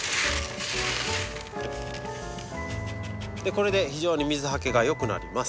これで非常に水はけが良くなります。